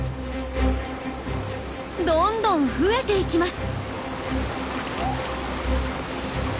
どんどん増えていきます。